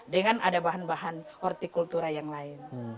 dengan ada bahan bahan hortikultura yang lain